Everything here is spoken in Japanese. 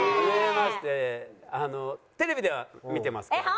あのテレビでは見てますけど。